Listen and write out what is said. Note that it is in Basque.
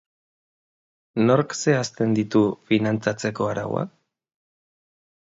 Nork zehazten ditu finantzatzeko arauak?